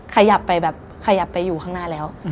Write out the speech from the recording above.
ขยับไปอยู่ข้างหน้าแล้ว